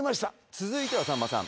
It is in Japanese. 続いてはさんまさん